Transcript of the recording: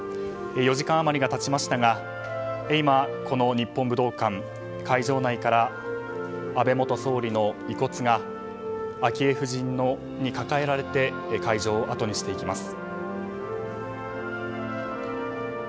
４時間余りが経ちましたが会場内から安倍元総理の遺骨が昭恵夫人に抱えられて会場をあとにしていきます。